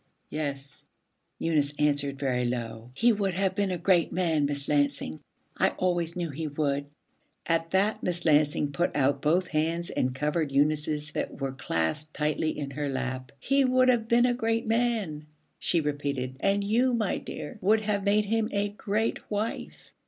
'Yes,' Eunice answered very low. 'He would have been a great man, Miss Lansing. I always knew he would.' At that Miss Lansing put out both hands and covered Eunice's that were clasped tightly in her lap. 'He would have been a great man,' she repeated, 'and you, my dear, would have made him a great wife.'